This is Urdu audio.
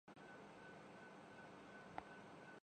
پیشیاں بھگتنی ہوں۔